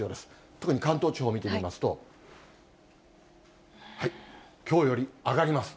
特に関東地方を見てみますと、きょうより上がります。